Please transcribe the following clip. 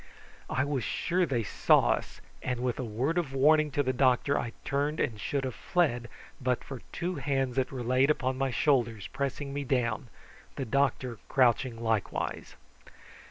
I was sure they saw us, and with a word of warning to the doctor I turned and should have fled but for two hands that were laid upon my shoulders, pressing me down, the doctor crouching likewise.